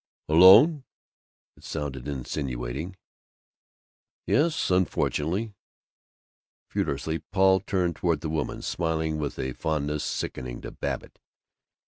"Alone?" It sounded insinuating. "Yes! Unfortunately!" Furiously Paul turned toward the woman, smiling with a fondness sickening to Babbitt.